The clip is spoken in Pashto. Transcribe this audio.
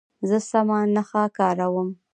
زه سمه نښه کاروم.